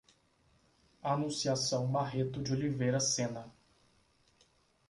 Anunciação Barreto de Oliveira Sena